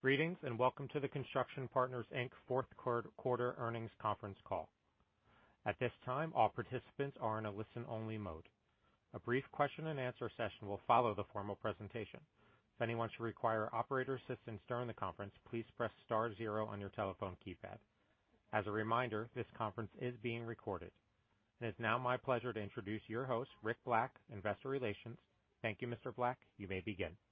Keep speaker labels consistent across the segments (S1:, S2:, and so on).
S1: Greetings, and welcome to the Construction Partners, Inc. fourth quarter earnings conference call. At this time, all participants are in a listen-only mode. A brief question and answer session will follow the formal presentation. If anyone should require operator assistance during the conference, please press star zero on your telephone keypad. As a reminder, this conference is being recorded. It is now my pleasure to introduce your host, Rick Black, Investor Relations. Thank you, Mr. Black. You may begin.
S2: Thank you,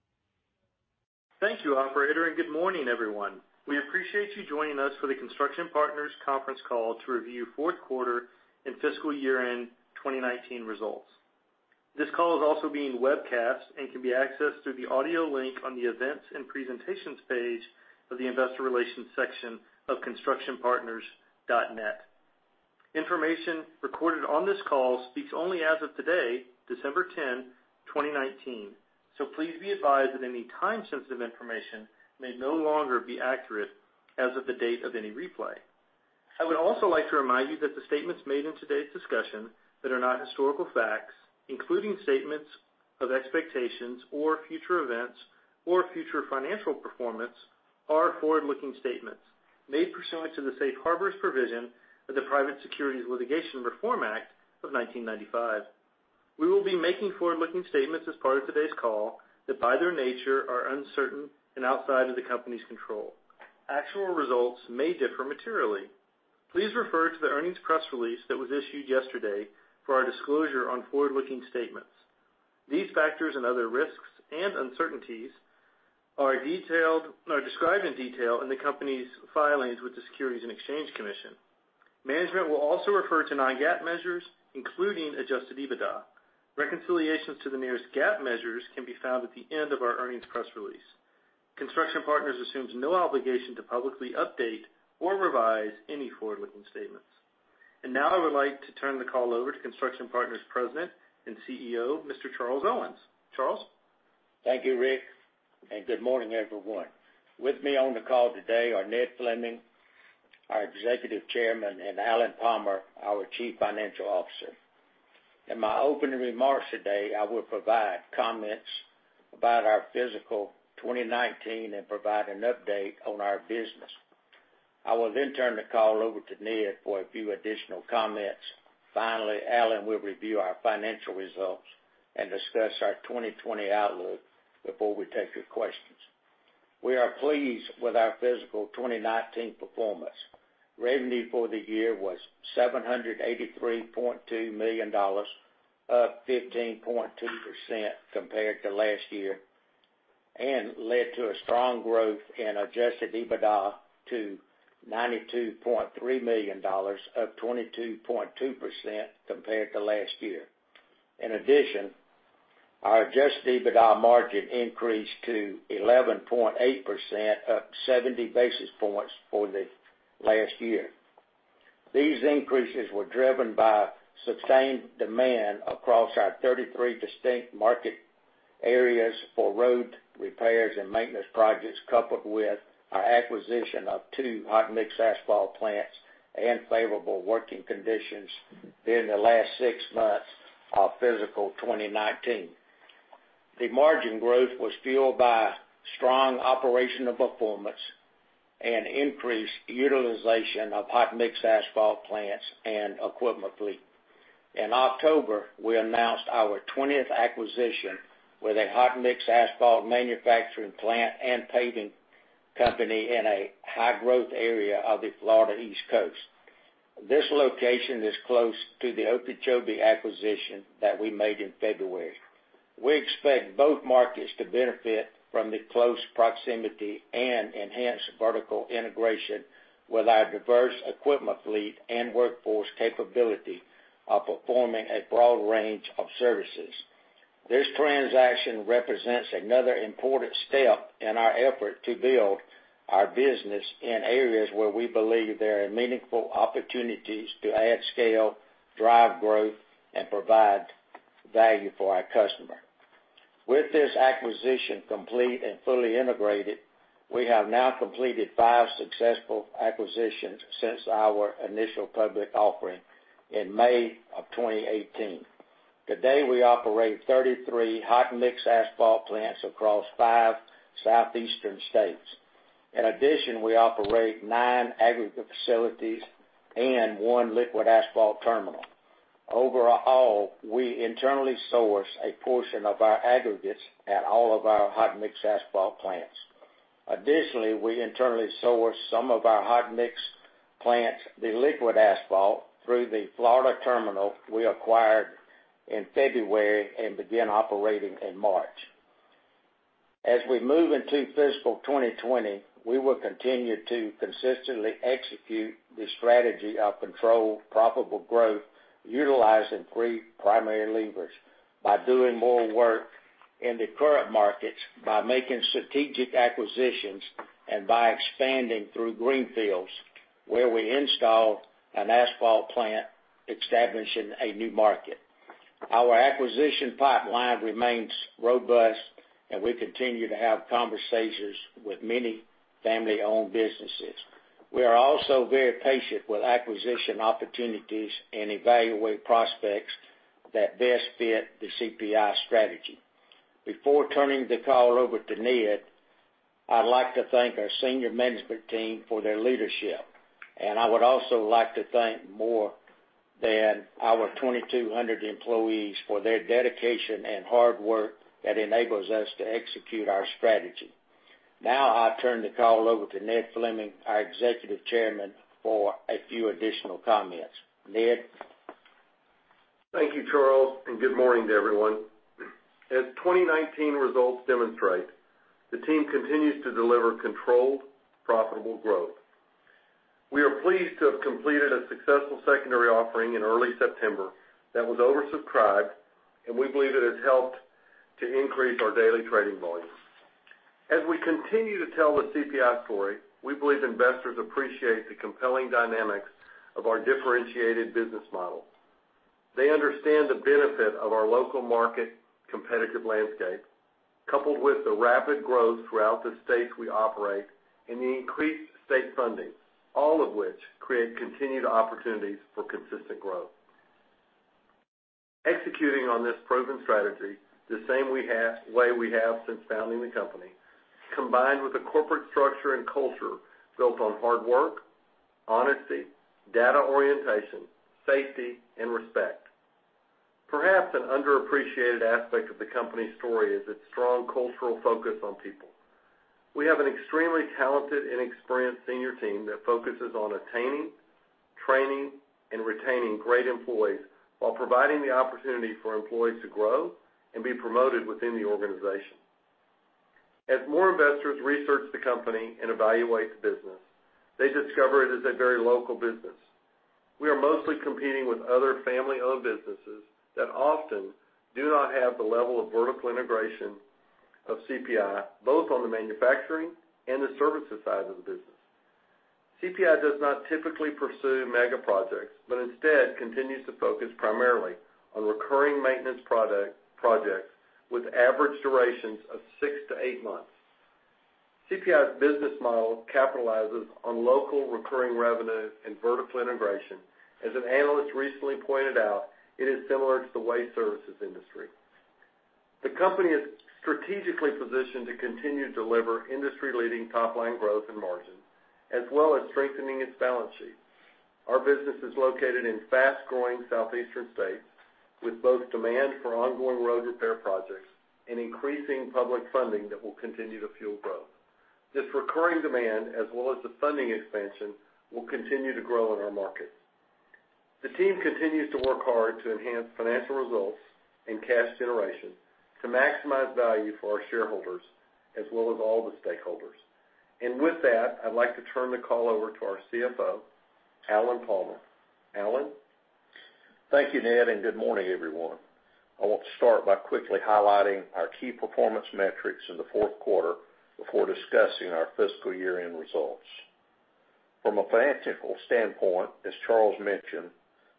S2: operator, and good morning, everyone. We appreciate you joining us for the Construction Partners conference call to review fourth quarter and fiscal year-end 2019 results. This call is also being webcast and can be accessed through the audio link on the Events and Presentations page of the Investor Relations section of constructionpartners.net. Information recorded on this call speaks only as of today, December 10, 2019. Please be advised that any time-sensitive information may no longer be accurate as of the date of any replay. I would also like to remind you that the statements made in today's discussion that are not historical facts, including statements of expectations or future events or future financial performance, are forward-looking statements made pursuant to the safe harbors provision of the Private Securities Litigation Reform Act of 1995. We will be making forward-looking statements as part of today's call that by their nature, are uncertain and outside of the company's control. Actual results may differ materially. Please refer to the earnings press release that was issued yesterday for our disclosure on forward-looking statements. These factors and other risks and uncertainties are described in detail in the company's filings with the Securities and Exchange Commission. Management will also refer to non-GAAP measures, including adjusted EBITDA. Reconciliations to the nearest GAAP measures can be found at the end of our earnings press release. Construction Partners assumes no obligation to publicly update or revise any forward-looking statements. Now I would like to turn the call over to Construction Partners President and CEO, Mr. Charles Owens. Charles?
S3: Thank you, Rick, and good morning, everyone. With me on the call today are Ned Fleming, our Executive Chairman, and Alan Palmer, our Chief Financial Officer. In my opening remarks today, I will provide comments about our fiscal 2019 and provide an update on our business. I will then turn the call over to Ned for a few additional comments. Finally, Alan will review our financial results and discuss our 2020 outlook before we take your questions. We are pleased with our fiscal 2019 performance. Revenue for the year was $783.2 million, up 15.2% compared to last year, and led to a strong growth in adjusted EBITDA to $92.3 million, up 22.2% compared to last year. In addition, our adjusted EBITDA margin increased to 11.8%, up 70 basis points for the last year. These increases were driven by sustained demand across our 33 distinct market areas for road repairs and maintenance projects, coupled with our acquisition of two hot mix asphalt plants and favorable working conditions during the last six months of fiscal 2019. The margin growth was fueled by strong operational performance and increased utilization of hot mix asphalt plants and equipment fleet. In October, we announced our 20th acquisition with a hot mix asphalt manufacturing plant and paving company in a high-growth area of the Florida East Coast. This location is close to the Okeechobee acquisition that we made in February. We expect both markets to benefit from the close proximity and enhanced vertical integration with our diverse equipment fleet and workforce capability of performing a broad range of services. This transaction represents another important step in our effort to build our business in areas where we believe there are meaningful opportunities to add scale, drive growth, and provide value for our customer. With this acquisition complete and fully integrated, we have now completed five successful acquisitions since our initial public offering in May of 2018. Today, we operate 33 hot mix asphalt plants across five southeastern states. In addition, we operate nine aggregate facilities and one liquid asphalt terminal. Overall, we internally source a portion of our aggregates at all of our hot mix asphalt plants. Additionally, we internally source some of our hot mix plants' liquid asphalt through the Florida terminal we acquired in February and began operating in March. As we move into fiscal 2020, we will continue to consistently execute the strategy of controlled profitable growth utilizing three primary levers by doing more work in the current markets, by making strategic acquisitions, and by expanding through greenfields, where we install an asphalt plant establishing a new market. Our acquisition pipeline remains robust, and we continue to have conversations with many family-owned businesses. We are also very patient with acquisition opportunities and evaluate prospects that best fit the CPI strategy. Before turning the call over to Ned, I'd like to thank our senior management team for their leadership, and I would also like to thank more than our 2,200 employees for their dedication and hard work that enables us to execute our strategy. Now I'll turn the call over to Ned Fleming, our Executive Chairman, for a few additional comments. Ned?
S4: Thank you, Charles, and good morning to everyone. As 2019 results demonstrate, the team continues to deliver controlled, profitable growth. We are pleased to have completed a successful secondary offering in early September that was oversubscribed, and we believe it has helped to increase our daily trading volume. As we continue to tell the CPI story, we believe investors appreciate the compelling dynamics of our differentiated business model. They understand the benefit of our local market competitive landscape, coupled with the rapid growth throughout the states we operate in, and the increased state funding, all of which create continued opportunities for consistent growth. Executing on this proven strategy the same way we have since founding the company, combined with a corporate structure and culture built on hard work, honesty, data orientation, safety, and respect. Perhaps an underappreciated aspect of the company's story is its strong cultural focus on people. We have an extremely talented and experienced senior team that focuses on attaining, training, and retaining great employees while providing the opportunity for employees to grow and be promoted within the organization. As more investors research the company and evaluate the business, they discover it is a very local business. We are mostly competing with other family-owned businesses that often do not have the level of vertical integration of CPI, both on the manufacturing and the services side of the business. CPI does not typically pursue mega projects, but instead continues to focus primarily on recurring maintenance projects with average durations of six to eight months. CPI's business model capitalizes on local recurring revenue and vertical integration. As an analyst recently pointed out, it is similar to the waste services industry. The company is strategically positioned to continue to deliver industry-leading top-line growth and margin, as well as strengthening its balance sheet. Our business is located in fast-growing southeastern states with both demand for ongoing road repair projects and increasing public funding that will continue to fuel growth. This recurring demand, as well as the funding expansion, will continue to grow in our markets. The team continues to work hard to enhance financial results and cash generation to maximize value for our shareholders as well as all the stakeholders. With that, I'd like to turn the call over to our CFO, Alan Palmer. Alan?
S5: Thank you, Ned, and good morning, everyone. I want to start by quickly highlighting our key performance metrics in the fourth quarter before discussing our fiscal year 2019 results. From a financial standpoint, as Charles mentioned,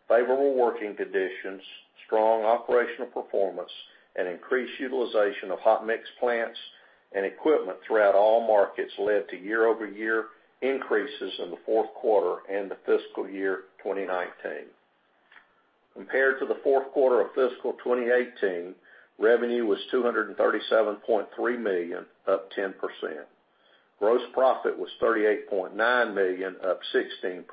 S5: favorable working conditions, strong operational performance, and increased utilization of hot mix plants and equipment throughout all markets led to year-over-year increases in the fourth quarter and the fiscal year 2019. Compared to the fourth quarter of fiscal 2018, revenue was $237.3 million, up 10%. Gross profit was $38.9 million, up 16%.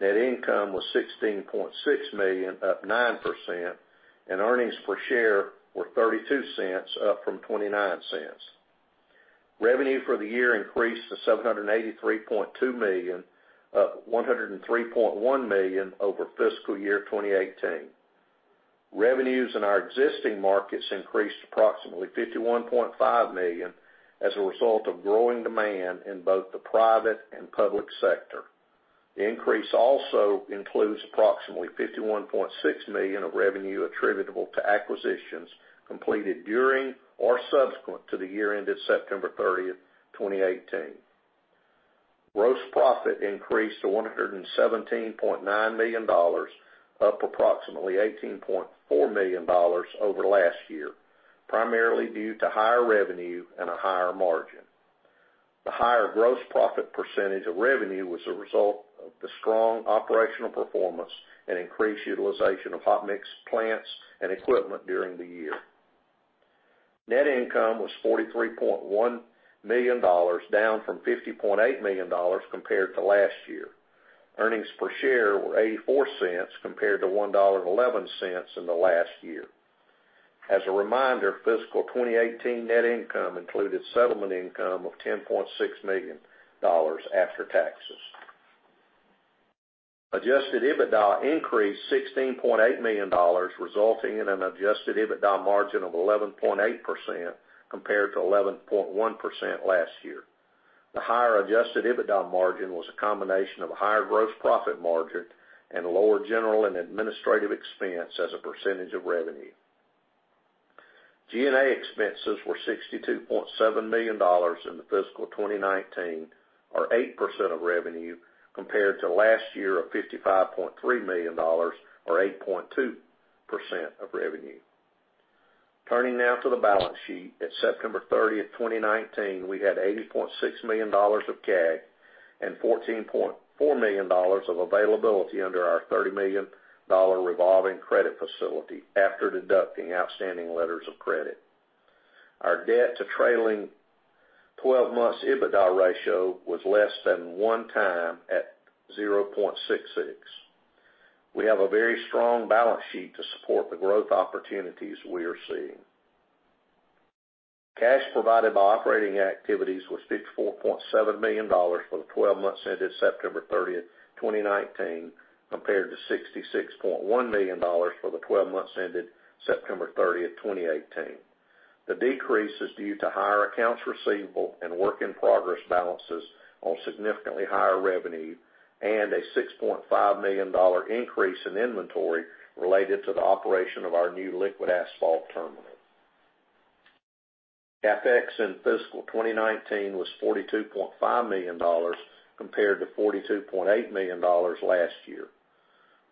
S5: Net income was $16.6 million, up 9%, and earnings per share were $0.32, up from $0.29. Revenue for the year increased to $783.2 million, up $103.1 million over fiscal year 2018. Revenues in our existing markets increased approximately $51.5 million as a result of growing demand in both the private and public sector. The increase also includes approximately $51.6 million of revenue attributable to acquisitions completed during or subsequent to the year ended September 30, 2018. Gross profit increased to $117.9 million, up approximately $18.4 million over last year, primarily due to higher revenue and a higher margin. The higher gross profit percentage of revenue was a result of the strong operational performance and increased utilization of hot mix plants and equipment during the year. Net income was $43.1 million, down from $50.8 million compared to last year. Earnings per share were $0.84 compared to $1.11 in the last year. As a reminder, fiscal 2018 net income included settlement income of $10.6 million after taxes. Adjusted EBITDA increased $16.8 million, resulting in an adjusted EBITDA margin of 11.8% compared to 11.1% last year. The higher adjusted EBITDA margin was a combination of a higher gross profit margin and lower general and administrative expense as a percentage of revenue. G&A expenses were $62.7 million in the fiscal 2019, or 8% of revenue, compared to last year of $55.3 million or 8.2% of revenue. Turning now to the balance sheet. At September 30th, 2019, we had $80.6 million of cash and $14.4 million of availability under our $30 million revolving credit facility after deducting outstanding letters of credit. Our debt to trailing 12 months EBITDA ratio was less than one time at 0.66. We have a very strong balance sheet to support the growth opportunities we are seeing. Cash provided by operating activities was $54.7 million for the 12 months ended September 30th, 2019, compared to $66.1 million for the 12 months ended September 30th, 2018. The decrease is due to higher accounts receivable and work-in-progress balances on significantly higher revenue and a $6.5 million increase in inventory related to the operation of our new liquid asphalt terminal. CapEx in fiscal 2019 was $42.5 million compared to $42.8 million last year.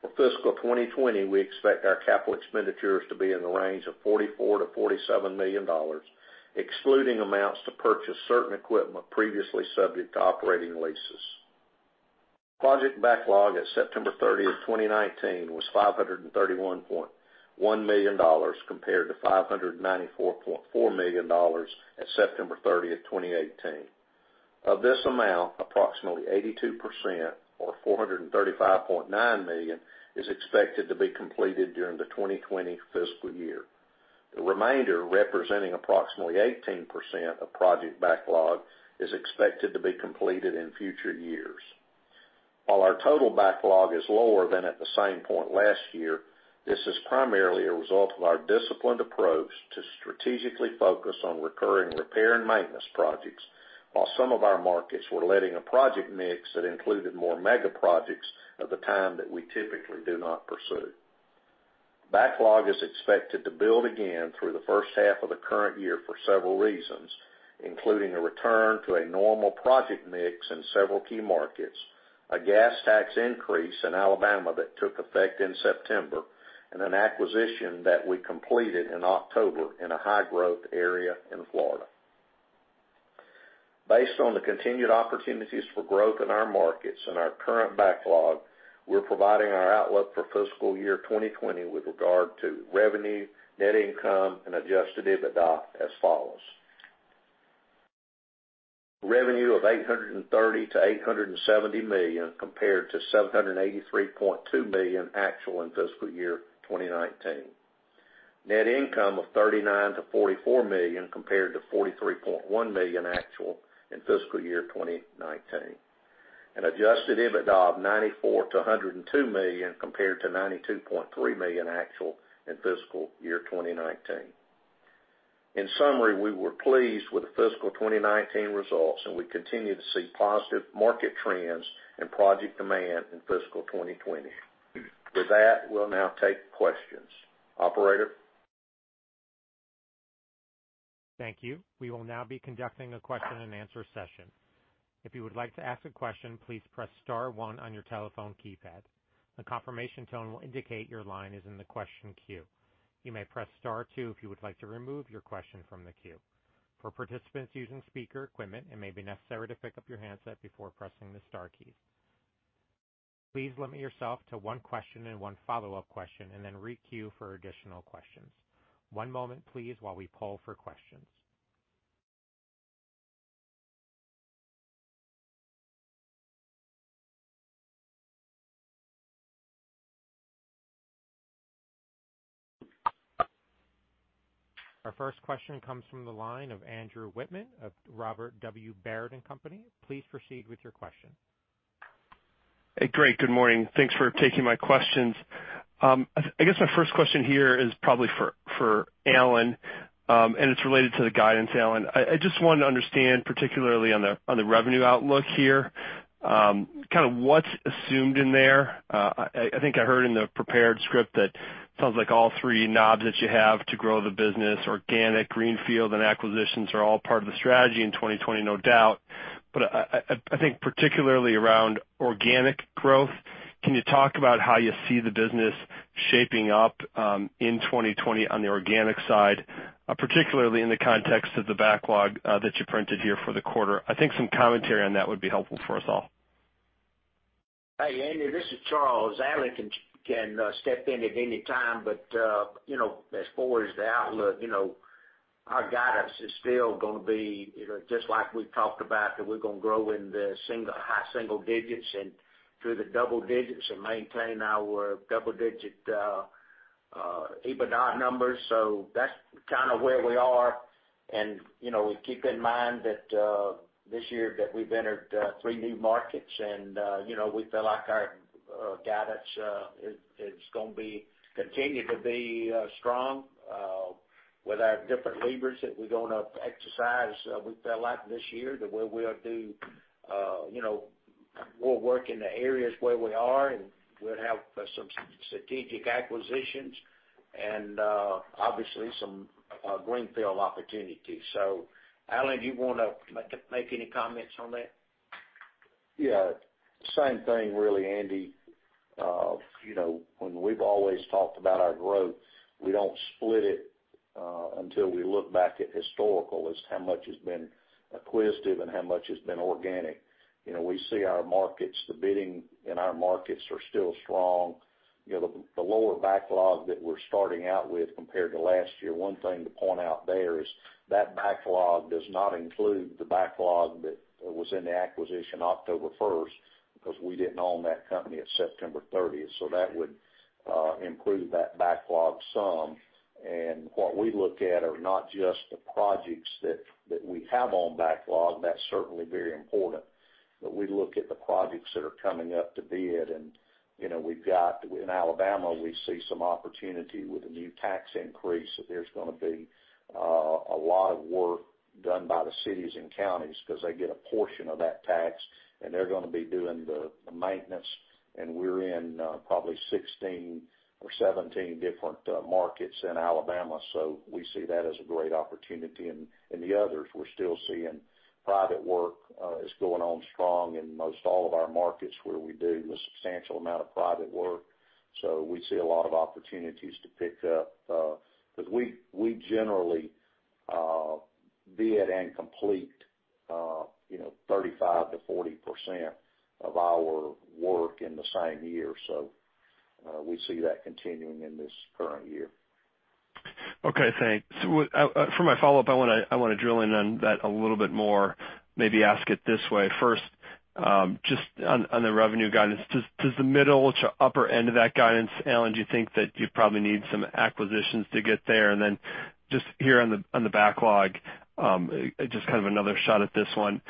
S5: For fiscal 2020, we expect our capital expenditures to be in the range of $44 million-$47 million, excluding amounts to purchase certain equipment previously subject to operating leases. Project backlog at September 30th, 2019, was $531.1 million compared to $594.4 million at September 30th, 2018. Of this amount, approximately 82%, or $435.9 million, is expected to be completed during the 2020 fiscal year. The remainder, representing approximately 18% of project backlog, is expected to be completed in future years. While our total backlog is lower than at the same point last year, this is primarily a result of our disciplined approach to strategically focus on recurring repair and maintenance projects, while some of our markets were letting a project mix that included more mega projects at the time that we typically do not pursue. Backlog is expected to build again through the first half of the current year for several reasons, including a return to a normal project mix in several key markets, a gas tax increase in Alabama that took effect in September, and an acquisition that we completed in October in a high-growth area in Florida. Based on the continued opportunities for growth in our markets and our current backlog, we're providing our outlook for fiscal year 2020 with regard to revenue, net income and adjusted EBITDA as follows. Revenue of $830 million-$870 million compared to $783.2 million actual in fiscal year 2019. Net income of $39 million-$44 million compared to $43.1 million actual in fiscal year 2019. Adjusted EBITDA of $94 million-$102 million compared to $92.3 million actual in fiscal year 2019. In summary, we were pleased with the fiscal 2019 results, and we continue to see positive market trends and project demand in fiscal 2020. With that, we'll now take questions. Operator?
S1: Thank you. We will now be conducting a question and answer session. If you would like to ask a question, please press star one on your telephone keypad. A confirmation tone will indicate your line is in the question queue. You may press star two if you would like to remove your question from the queue. For participants using speaker equipment, it may be necessary to pick up your handset before pressing the star keys. Please limit yourself to one question and one follow-up question, and then re-queue for additional questions. One moment, please, while we poll for questions. Our first question comes from the line of Andy Wittmann of Robert W. Baird. Please proceed with your question.
S6: Hey, great. Good morning. Thanks for taking my questions. I guess my first question here is probably for Alan, and it's related to the guidance, Alan. I just wanted to understand, particularly on the revenue outlook here, what's assumed in there. I think I heard in the prepared script that it sounds like all three knobs that you have to grow the business, organic, greenfield, and acquisitions are all part of the strategy in 2020, no doubt. I think particularly around organic growth, can you talk about how you see the business shaping up in 2020 on the organic side, particularly in the context of the backlog that you printed here for the quarter? I think some commentary on that would be helpful for us all.
S3: Hey, Andy, this is Charles. Alan can step in at any time, but as far as the outlook, our guidance is still going to be just like we talked about, that we're going to grow in the high single digits and through the double digits and maintain our double-digit EBITDA numbers. That's kind of where we are. We keep in mind that this year that we've entered three new markets, and we feel like our guidance is going to continue to be strong with our different levers that we're going to exercise. We feel like this year that we'll work in the areas where we are, and we'll have some strategic acquisitions and obviously some greenfield opportunities. Alan, do you want to make any comments on that? Yeah. Same thing really, Andy.
S5: When we've always talked about our growth, we don't split it until we look back at historical as to how much has been acquisitive and how much has been organic. We see our markets, the bidding in our markets are still strong. The lower backlog that we're starting out with compared to last year, one thing to point out there is that backlog does not include the backlog that was in the acquisition October 1st, because we didn't own that company at September 30th. That would improve that backlog sum. What we look at are not just the projects that we have on backlog. That's certainly very important. We look at the projects that are coming up to bid, and in Alabama, we see some opportunity with a new tax increase, that there's going to be a lot of work done by the cities and counties because they get a portion of that tax, and they're going to be doing the maintenance. We're in probably 16 or 17 different markets in Alabama, so we see that as a great opportunity. The others we're still seeing private work is going on strong in most all of our markets where we do the substantial amount of private work. We see a lot of opportunities to pick up because we generally bid and complete 35%-40% of our work in the same year. We see that continuing in this current year.
S6: Okay, thanks. For my follow-up, I want to drill in on that a little bit more, maybe ask it this way. First, just on the revenue guidance, does the middle to upper end of that guidance, Alan, do you think that you probably need some acquisitions to get there? Just here on the backlog, just kind of another shot at this one.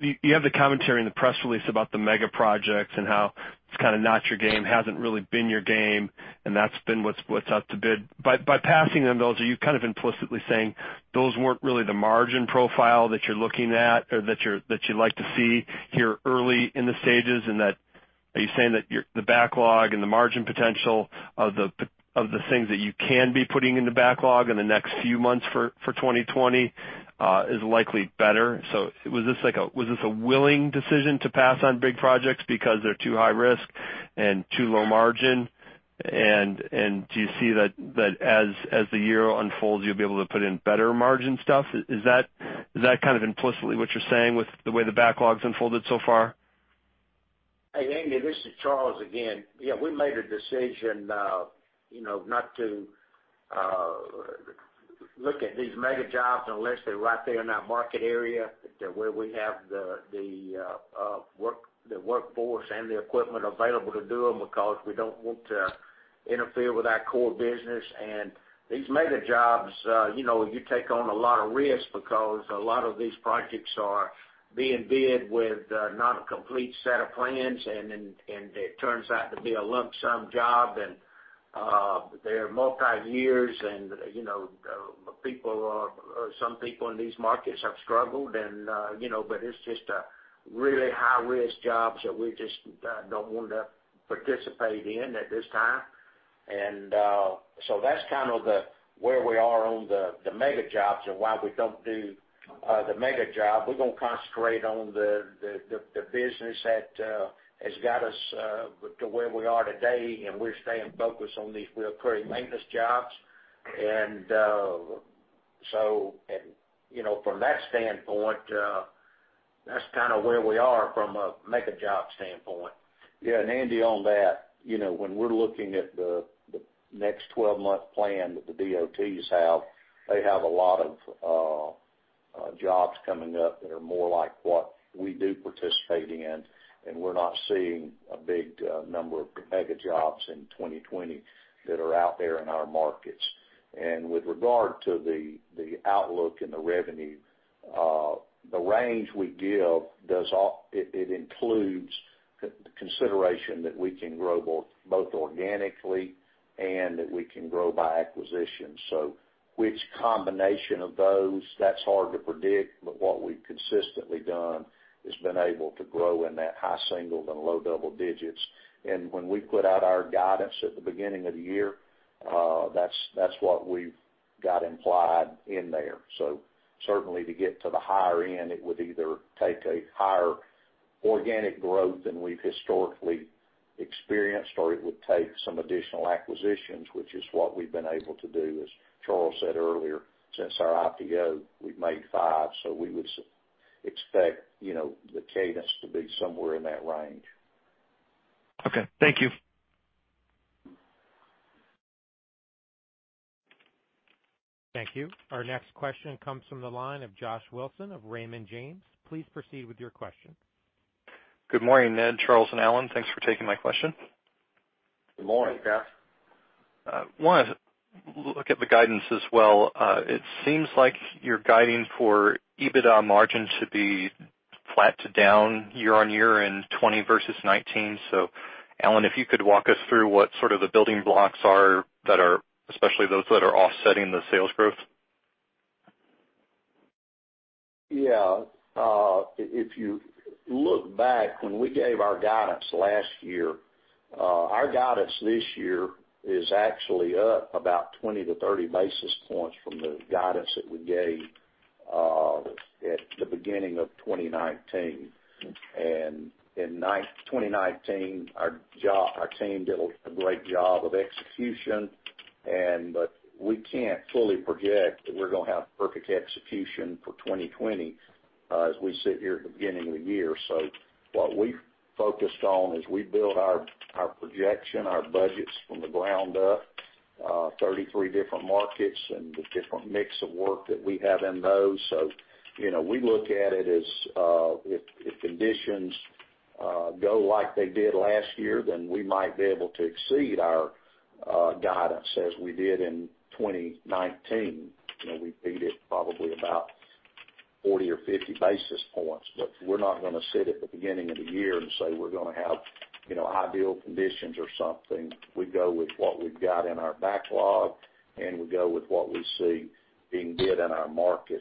S6: You have the commentary in the press release about the mega projects and how it's kind of not your game, hasn't really been your game, and that's been what's out to bid. By passing on those, are you kind of implicitly saying those weren't really the margin profile that you're looking at, or that you'd like to see here early in the stages, and that are you saying that the backlog and the margin potential of the things that you can be putting in the backlog in the next few months for 2020 is likely better? Was this a willing decision to pass on big projects because they're too high risk and too low margin? Do you see that as the year unfolds, you'll be able to put in better margin stuff? Is that kind of implicitly what you're saying with the way the backlog's unfolded so far?
S3: Hey, Andy, this is Charles again. Yeah, we made a decision not to look at these mega jobs unless they're right there in our market area where we have the workforce and the equipment available to do them because we don't want to interfere with our core business. These mega jobs, you take on a lot of risk because a lot of these projects are being bid with not a complete set of plans, and it turns out to be a lump sum job, and they're multi-years, and some people in these markets have struggled. It's just really high-risk jobs that we just don't want to participate in at this time. That's kind of where we are on the mega jobs and why we don't do the mega job. We're going to concentrate on the business that has got us to where we are today, and we're staying focused on these routine maintenance jobs. From that standpoint, that's kind of where we are from a mega job standpoint.
S5: Yeah, and Andy, on that, when we're looking at the next 12-month plan that the DOTs have, they have a lot of jobs coming up that are more like what we do participate in, and we're not seeing a big number of mega jobs in 2020 that are out there in our markets. With regard to the outlook and the revenue, the range we give, it includes consideration that we can grow both organically and that we can grow by acquisition. Which combination of those, that's hard to predict, but what we've consistently done is been able to grow in that high single to low double digits. When we put out our guidance at the beginning of the year, that's what we've got implied in there. Certainly to get to the higher end, it would either take a higher organic growth than we've historically experienced, or it would take some additional acquisitions, which is what we've been able to do. As Charles said earlier, since our IPO, we've made five. We would expect the cadence to be somewhere in that range.
S6: Okay. Thank you.
S1: Thank you. Our next question comes from the line of Joshua Wilson of Raymond James. Please proceed with your question.
S7: Good morning, Ned, Charles, and Alan. Thanks for taking my question.
S3: Good morning, Josh.
S7: I want to look at the guidance as well. It seems like you're guiding for EBITDA margin to be flat to down year-over-year in 2020 versus 2019. Alan, if you could walk us through what sort of the building blocks are, especially those that are offsetting the sales growth?
S5: If you look back when we gave our guidance last year. Our guidance this year is actually up about 20 to 30 basis points from the guidance that we gave at the beginning of 2019. In 2019, our team did a great job of execution. We can't fully project that we're going to have perfect execution for 2020 as we sit here at the beginning of the year. What we've focused on is we build our projection, our budgets from the ground up, 33 different markets and the different mix of work that we have in those. We look at it as if conditions go like they did last year, then we might be able to exceed our guidance as we did in 2019. We beat it probably about 40 or 50 basis points. We're not going to sit at the beginning of the year and say we're going to have ideal conditions or something. We go with what we've got in our backlog, and we go with what we see being bid in our market.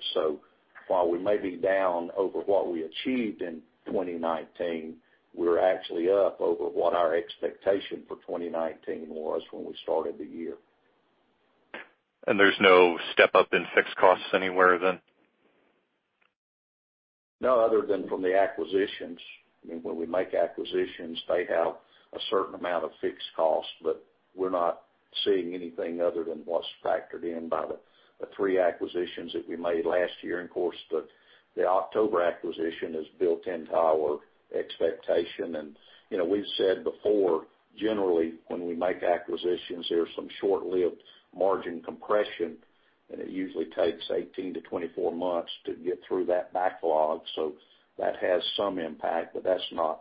S5: While we may be down over what we achieved in 2019, we're actually up over what our expectation for 2019 was when we started the year.
S7: There's no step up in fixed costs anywhere, then?
S5: No, other than from the acquisitions. When we make acquisitions, they have a certain amount of fixed costs, but we're not seeing anything other than what's factored in by the three acquisitions that we made last year. Of course, the October acquisition is built into our expectation. We've said before, generally, when we make acquisitions, there's some short-lived margin compression, and it usually takes 18-24 months to get through that backlog. That has some impact, but that's not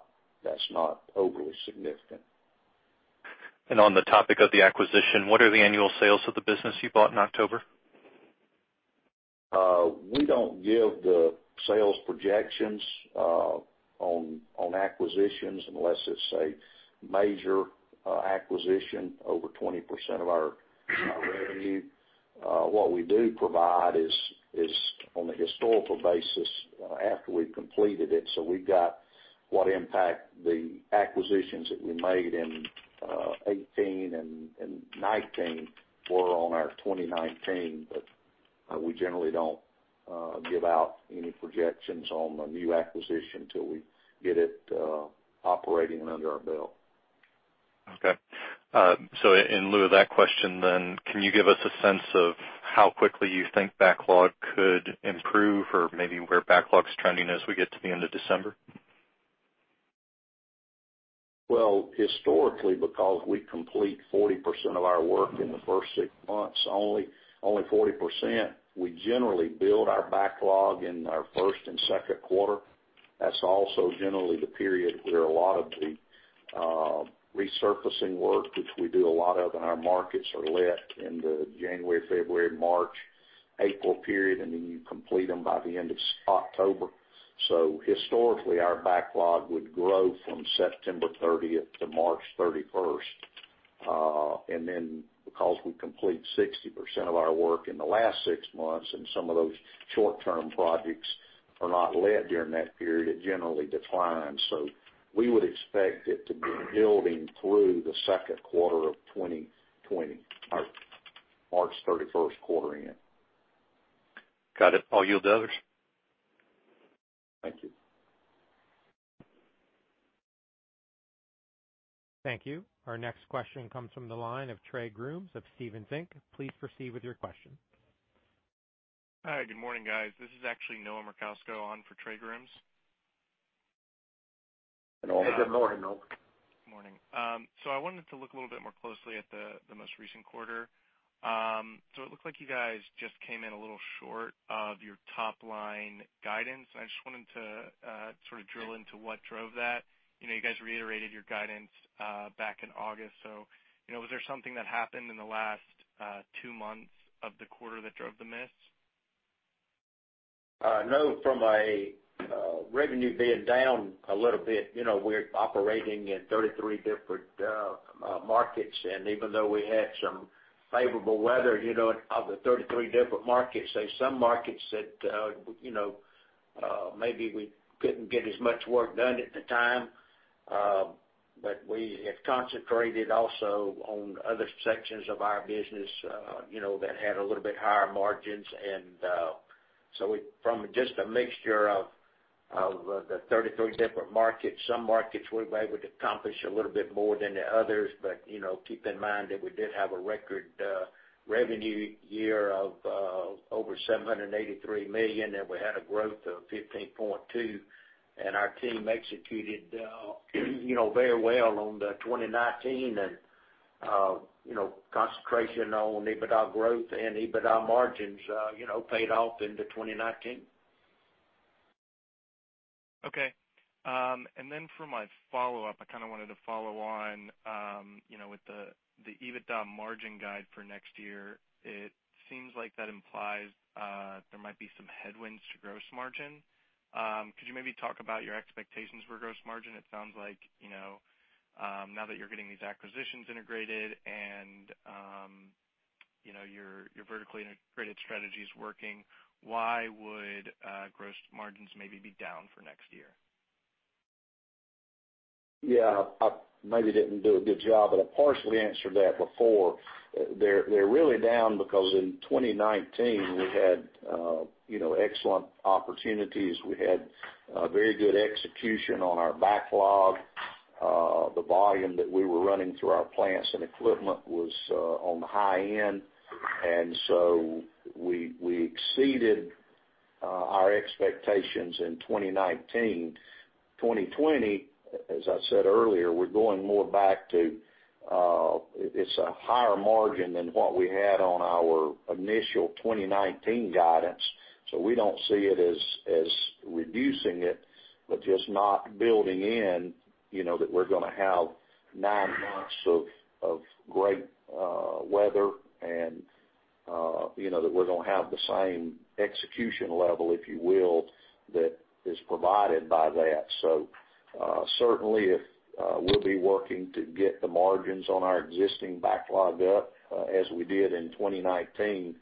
S5: overly significant.
S7: On the topic of the acquisition, what are the annual sales of the business you bought in October?
S5: We don't give the sales projections on acquisitions unless it's a major acquisition, over 20% of our revenue. What we do provide is on a historical basis after we've completed it. We've got what impact the acquisitions that we made in 2018 and 2019 were on our 2019, but we generally don't give out any projections on the new acquisition till we get it operating and under our belt.
S7: Okay. In lieu of that question, can you give us a sense of how quickly you think backlog could improve or maybe where backlog's trending as we get to the end of December?
S5: Historically, because we complete 40% of our work in the first 6 months, only 40%, we generally build our backlog in our first and second quarter. That's also generally the period where a lot of the resurfacing work, which we do a lot of in our markets, are let in the January, February, March, April period, you complete them by the end of October. Historically, our backlog would grow from September 30th to March 31st. Because we complete 60% of our work in the last 6 months, and some of those short-term projects are not let during that period, it generally declines. We would expect it to be building through the second quarter of 2020, our March 31st quarter end.
S7: Got it. I'll yield to others.
S5: Thank you.
S1: Thank you. Our next question comes from the line of Trey Grooms of Stephens. Please proceed with your question.
S8: Hi. Good morning, guys. This is actually Noah Merkousko on for Trey Grooms.
S5: Hey, Noah.
S3: Good morning, Noah.
S8: Morning. I wanted to look a little bit more closely at the most recent quarter. It looked like you guys just came in a little short of your top-line guidance, and I just wanted to sort of drill into what drove that. You guys reiterated your guidance back in August. Was there something that happened in the last two months of the quarter that drove the miss?
S5: From a revenue being down a little bit, we're operating in 33 different markets, and even though we had some favorable weather, of the 33 different markets, there's some markets that maybe we couldn't get as much work done at the time. We have concentrated also on other sections of our business that had a little bit higher margins. From just a mixture of the 33 different markets, some markets we were able to accomplish a little bit more than the others. Keep in mind that we did have a record revenue year of over $783 million, and we had a growth of 15.2%, and our team executed very well on the 2019, and concentration on EBITDA growth and EBITDA margins paid off into 2019.
S8: Okay. For my follow-up, I kind of wanted to follow on with the EBITDA margin guide for next year. It seems like that implies there might be some headwinds to gross margin. Could you maybe talk about your expectations for gross margin? It sounds like now that you're getting these acquisitions integrated and your vertically integrated strategy is working. Why would gross margins maybe be down for next year?
S5: I maybe didn't do a good job, but I partially answered that before. They're really down because in 2019 we had excellent opportunities. We had very good execution on our backlog. The volume that we were running through our plants and equipment was on the high end. We exceeded our expectations in 2019. 2020, as I said earlier, we're going more back to, it's a higher margin than what we had on our initial 2019 guidance. We don't see it as reducing it, but just not building in, that we're going to have nine months of great weather and that we're going to have the same execution level, if you will, that is provided by that. Certainly we'll be working to get the margins on our existing backlog up, as we did in 2019.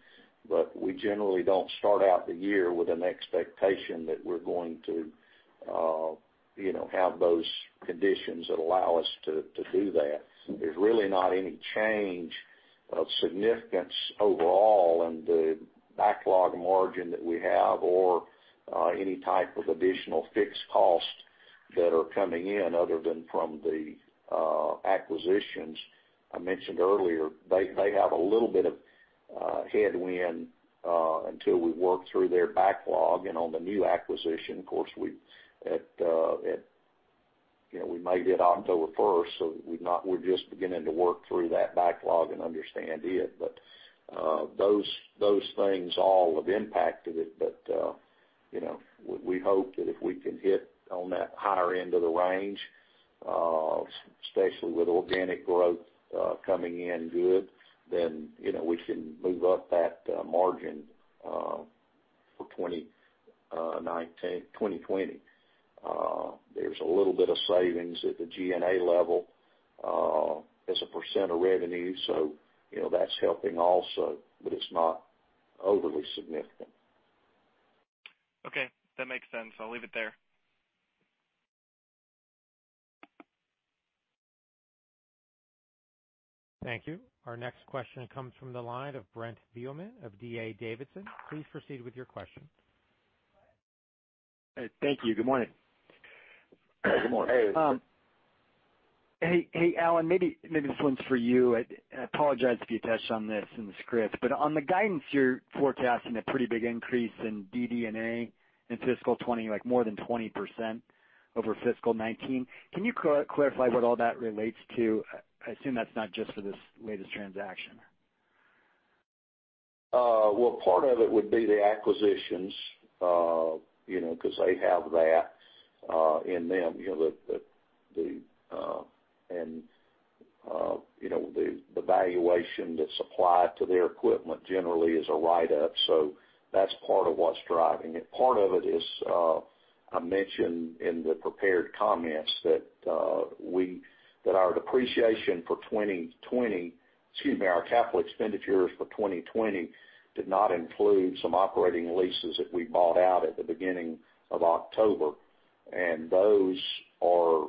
S5: We generally don't start out the year with an expectation that we're going to have those conditions that allow us to do that. There's really not any change of significance overall in the backlog margin that we have or any type of additional fixed cost that are coming in other than from the acquisitions I mentioned earlier. They have a little bit of headwind until we work through their backlog. On the new acquisition, of course, we made it October 1st, so we're just beginning to work through that backlog and understand it. Those things all have impacted it. We hope that if we can hit on that higher end of the range, especially with organic growth coming in good, then we can move up that margin for 2020. There's a little bit of savings at the G&A level as a % of revenue. That's helping also, but it's not overly significant.
S8: Okay, that makes sense. I'll leave it there.
S1: Thank you. Our next question comes from the line of Brent Thielman of D.A. Davidson. Please proceed with your question.
S9: Thank you. Good morning.
S5: Good morning.
S9: Hey, Alan, maybe this one's for you. I apologize if you touched on this in the script, but on the guidance, you're forecasting a pretty big increase in DD&A in fiscal 2020, like more than 20% over fiscal 2019. Can you clarify what all that relates to? I assume that's not just for this latest transaction.
S5: Well, part of it would be the acquisitions, because they have that in them. The valuation that's applied to their equipment generally is a write-up. That's part of what's driving it. Part of it is, I mentioned in the prepared comments that our depreciation for 2020, excuse me, our capital expenditures for 2020 did not include some operating leases that we bought out at the beginning of October. Those are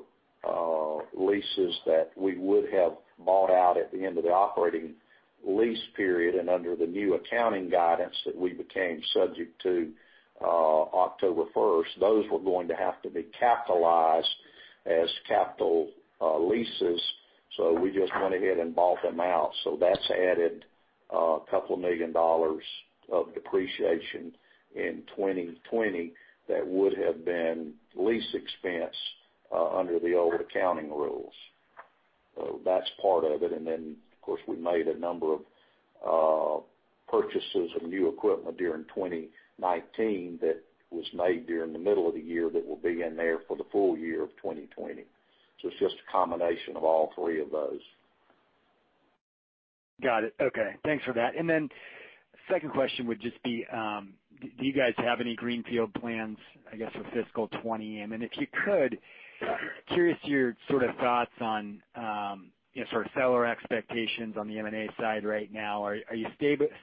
S5: leases that we would have bought out at the end of the operating lease period. Under the new accounting guidance that we became subject to October 1st, those were going to have to be capitalized as capital leases. We just went ahead and bought them out. That's added a couple million dollars of depreciation in 2020 that would have been lease expense under the old accounting rules. That's part of it. Of course, we made a number of purchases of new equipment during 2019 that was made during the middle of the year that will be in there for the full year of 2020. It's just a combination of all three of those.
S9: Got it. Okay. Thanks for that. Second question would just be, do you guys have any greenfield plans, I guess, for fiscal 2020? If you could, curious your sort of thoughts on sort of seller expectations on the M&A side right now. Are you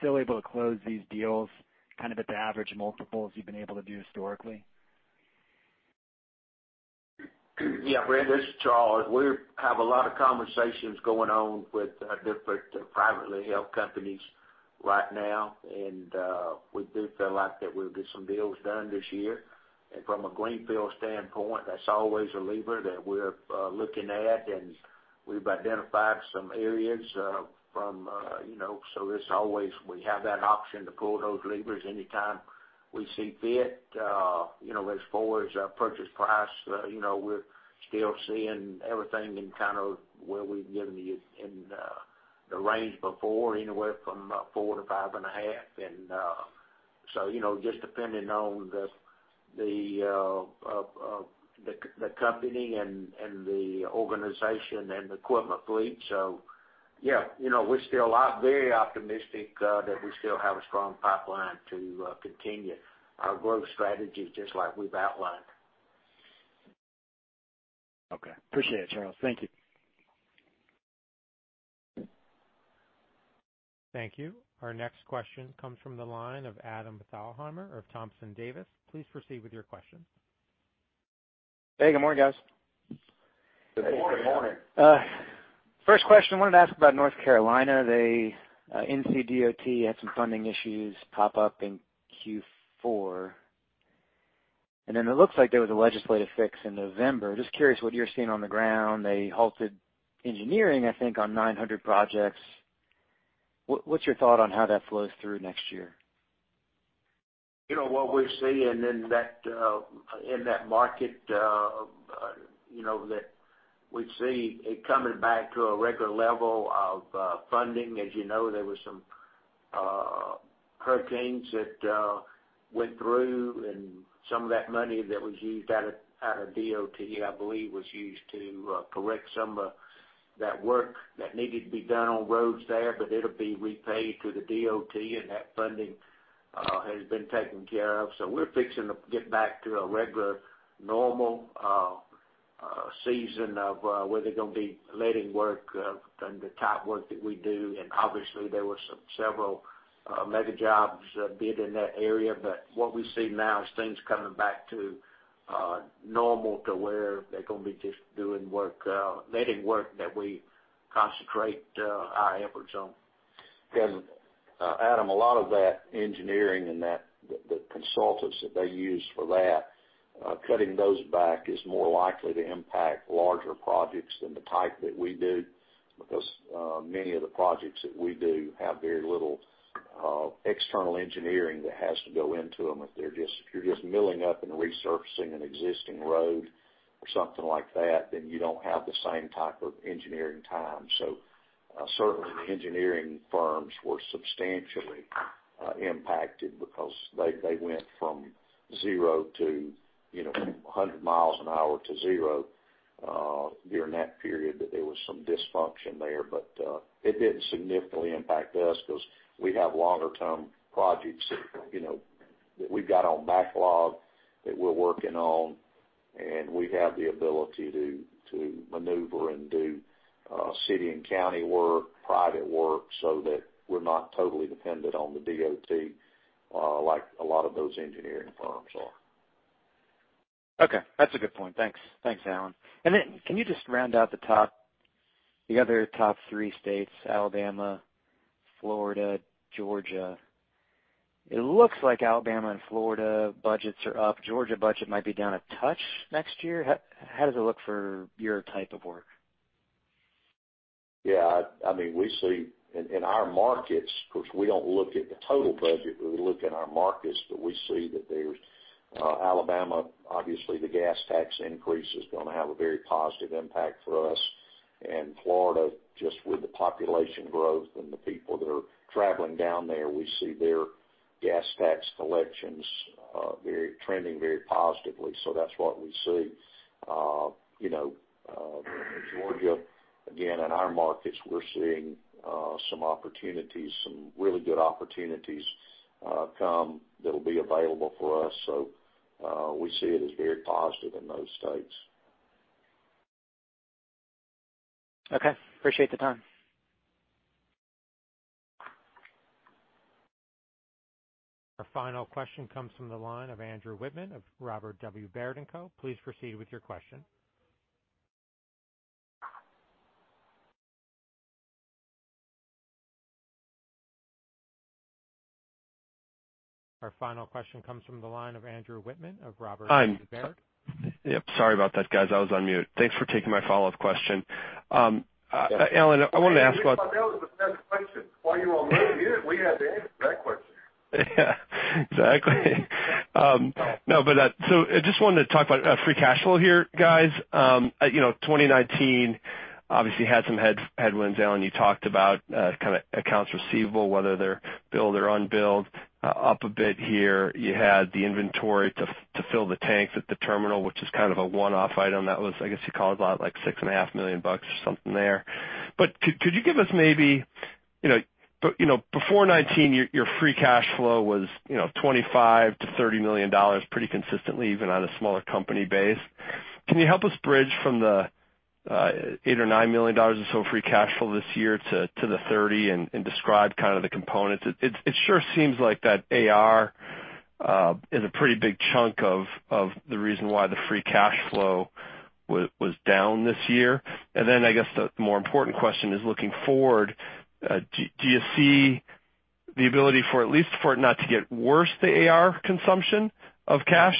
S9: still able to close these deals kind of at the average multiples you've been able to do historically?
S3: Yeah. Brent, this is Charles. We have a lot of conversations going on with different privately held companies right now, and we do feel like that we'll get some deals done this year. From a greenfield standpoint, that's always a lever that we're looking at, and we've identified some areas. There's always, we have that option to pull those levers anytime we see fit. As far as purchase price, we're still seeing everything in kind of where we've given you in the range before, anywhere from 4x-5.5x. Just depending on the company and the organization and equipment fleet. Yeah, we're still very optimistic that we still have a strong pipeline to continue our growth strategies just like we've outlined. Okay. Appreciate it, Charles. Thank you.
S1: Thank you. Our next question comes from the line of Adam Thalhimer of Thompson Davis. Please proceed with your question.
S10: Hey, good morning, guys.
S5: Good morning.
S10: First question, wanted to ask about North Carolina. The NCDOT had some funding issues pop up in Q4, and then it looks like there was a legislative fix in November. Just curious what you're seeing on the ground. They halted engineering, I think, on 900 projects. What's your thought on how that flows through next year?
S5: You know, what we're seeing in that market, that we see it coming back to a regular level of funding. As you know, there were some hurricanes that went through, and some of that money that was used out of DOT, I believe, was used to correct some of that work that needed to be done on roads there. It'll be repaid through the DOT, and that funding has been taken care of. We're fixing to get back to a regular, normal season of where they're gonna be letting work and the type work that we do. Obviously there were several mega jobs bid in that area. What we see now is things coming back to normal to where they're gonna be just doing letting work that we concentrate our efforts on. Adam, a lot of that engineering and the consultants that they use for that, cutting those back is more likely to impact larger projects than the type that we do because many of the projects that we do have very little external engineering that has to go into them. If you're just milling up and resurfacing an existing road or something like that, you don't have the same type of engineering time. Certainly, the engineering firms were substantially impacted because they went from 100 miles an hour to zero during that period, that there was some dysfunction there. It didn't significantly impact us because we have longer term projects that we've got on backlog that we're working on, and we have the ability to maneuver and do city and county work, private work, so that we're not totally dependent on the DOT like a lot of those engineering firms are.
S10: Okay. That's a good point. Thanks, Alan. Then can you just round out the other top three states, Alabama, Florida, Georgia? It looks like Alabama and Florida budgets are up. Georgia budget might be down a touch next year. How does it look for your type of work?
S5: Yeah, in our markets, because we don't look at the total budget, we look in our markets, but we see that Alabama, obviously the gas tax increase is going to have a very positive impact for us. Florida, just with the population growth and the people that are traveling down there, we see their gas tax collections trending very positively. That's what we see. Georgia, again, in our markets, we're seeing some opportunities, some really good opportunities come that'll be available for us. We see it as very positive in those states.
S10: Okay. Appreciate the time.
S1: Our final question comes from the line of Andy Wittmann of Robert W. Baird. Please proceed with your question.
S6: Yep. Sorry about that, guys. I was on mute. Thanks for taking my follow-up question. Alan, I wanted to ask about-
S5: You were on mute with that question. While you were on mute, we had the answer to that question.
S6: Yeah. Exactly. I just wanted to talk about free cash flow here, guys. 2019 obviously had some headwinds. Alan, you talked about accounts receivable, whether they're billed or unbilled up a bit here. You had the inventory to fill the tanks at the terminal, which is kind of a one-off item. That was, I guess you called out like $6.5 million or something there. Before 2019, your free cash flow was $25 million-$30 million pretty consistently, even on a smaller company base. Can you help us bridge from the $8 million or $9 million or so free cash flow this year to the $30 million, and describe the components? It sure seems like that AR is a pretty big chunk of the reason why the free cash flow was down this year. I guess the more important question is looking forward, do you see the ability for at least for it not to get worse, the AR consumption of cash,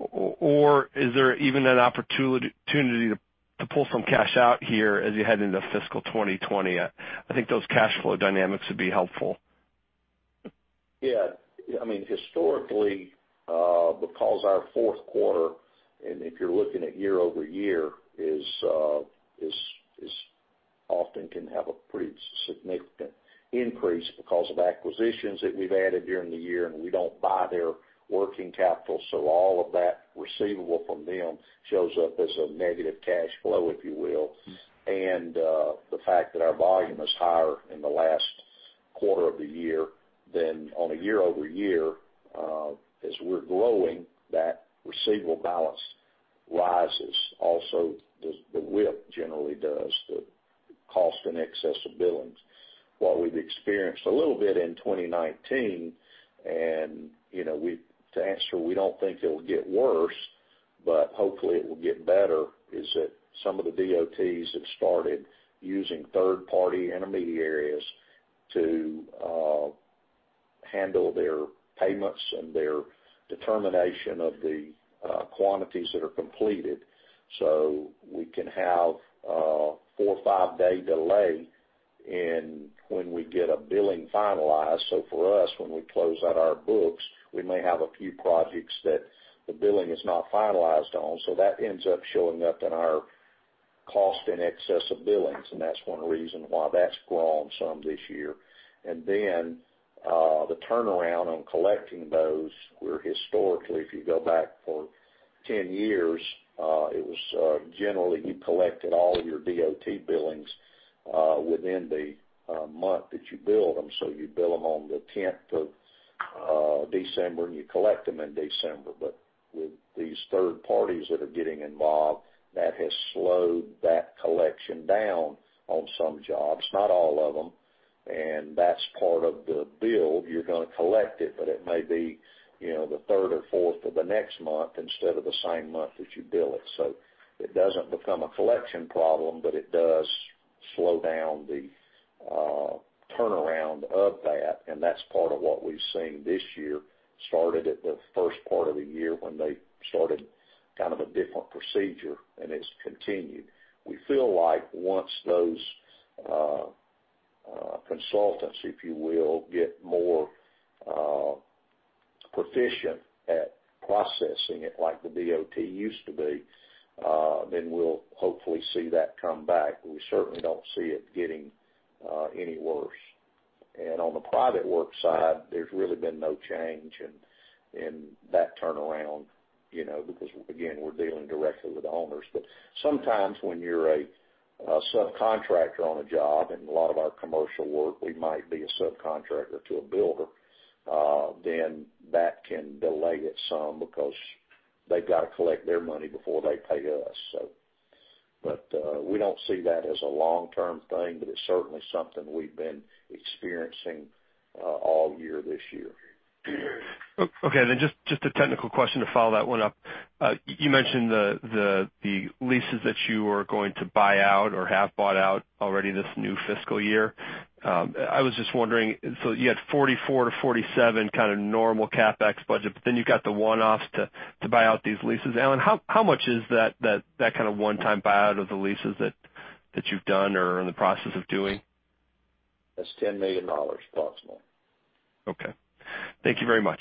S6: or is there even an opportunity to pull some cash out here as you head into fiscal 2020? I think those cash flow dynamics would be helpful.
S5: Yeah. Historically, because our fourth quarter, and if you're looking at year-over-year, often can have a pretty significant increase because of acquisitions that we've added during the year, and we don't buy their working capital. All of that receivable from them shows up as a negative cash flow, if you will. The fact that our volume is higher in the last quarter of the year than on a year-over-year, as we're growing, that receivable balance rises. The WIP generally does, the cost in excess of billings. What we've experienced a little bit in 2019, and to answer, we don't think it'll get worse, but hopefully it will get better, is that some of the DOTs have started using third-party intermediaries to handle their payments and their determination of the quantities that are completed. We can have a four or five-day delay in when we get a billing finalized. For us, when we close out our books, we may have a few projects that the billing is not finalized on, so that ends up showing up in our cost in excess of billings, and that's one reason why that's grown some this year. The turnaround on collecting those, where historically, if you go back for 10 years, it was generally you collected all of your DOT billings within the month that you bill them. You bill them on the 10th of December, and you collect them in December. With these third parties that are getting involved, that has slowed that collection down on some jobs, not all of them. That's part of the bill. You're going to collect it, but it may be the third or fourth of the next month instead of the same month that you bill it. It doesn't become a collection problem, but it does slow down the turnaround of that, and that's part of what we've seen this year, started at the first part of the year when they started kind of a different procedure, and it's continued. We feel like once those consultants, if you will, get more proficient at processing it like the DOT used to be, then we'll hopefully see that come back. We certainly don't see it getting any worse. On the private work side, there's really been no change in that turnaround because, again, we're dealing directly with the owners. Sometimes when you're a subcontractor on a job, and a lot of our commercial work, we might be a subcontractor to a builder, then that can delay it some because they've got to collect their money before they pay us. We don't see that as a long-term thing, but it's certainly something we've been experiencing all year this year.
S6: Okay. Just a technical question to follow that one up. You mentioned the leases that you were going to buy out or have bought out already this new fiscal year. I was just wondering, you had $44-$47 kind of normal CapEx budget, you got the one-offs to buy out these leases. Alan, how much is that kind of one-time buy out of the leases that you've done or are in the process of doing?
S5: That's $10 million approximately.
S6: Okay. Thank you very much.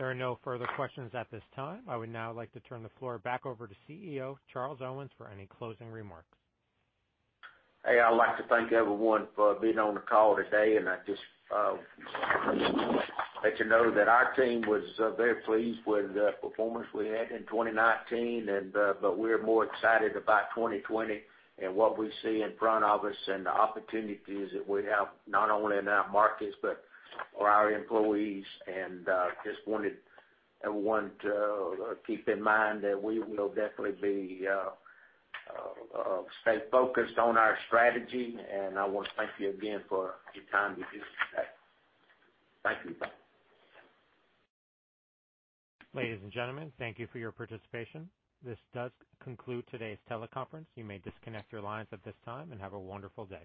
S1: There are no further questions at this time. I would now like to turn the floor back over to CEO, Charles Owens, for any closing remarks.
S3: I'd like to thank everyone for being on the call today. I just want to let you know that our team was very pleased with the performance we had in 2019. We're more excited about 2020 and what we see in front of us and the opportunities that we have, not only in our markets, but for our employees. Just wanted everyone to keep in mind that we will definitely stay focused on our strategy. I want to thank you again for your time this evening. Thank you. Bye.
S1: Ladies and gentlemen, thank you for your participation. This does conclude today's teleconference. You may disconnect your lines at this time, and have a wonderful day.